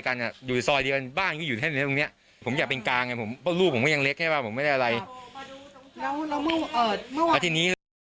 ก็คือเขาบอกว่าเอ่อผมไม่มีปัญหาบ้านผมมีปัญหาแต่ไม่มีปัญหาอะไรอะไรเงี้ย